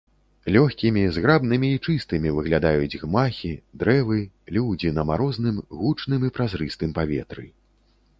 Лёгкімі, зграбнымі і чыстымі выглядаюць гмахі, дрэвы, людзі на марозным гучным і празрыстым паветры.